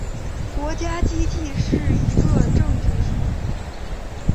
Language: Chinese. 国家机器是一个政治术语。